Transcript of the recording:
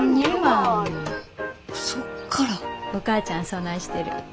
お母ちゃんそないしてる。